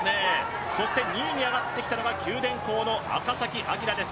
そして２位に上がってきたのは九電工の赤崎暁です。